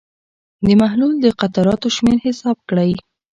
د محلول د قطراتو شمېر حساب کړئ.